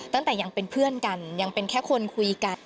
ตั้งแต่ยังเป็นเพื่อนกันยังเป็นแค่คนคุยกัน